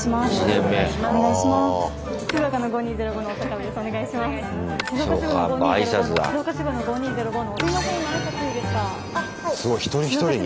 すごい一人一人に？